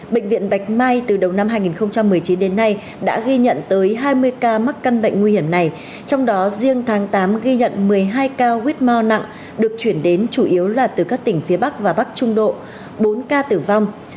bệnh viện bạch mai từ đầu năm hai nghìn một mươi chín đến nay đã ghi nhận tới hai mươi ca mắc căn bệnh nguy hiểm này trong đó riêng tháng tám ghi nhận một mươi hai ca whitmore nặng được chuyển đến chủ yếu là từ các tỉnh phía bắc và bắc trung độ bốn ca tử vong